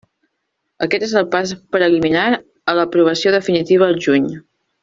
Aquest és el pas preliminar a l'aprovació definitiva el juny.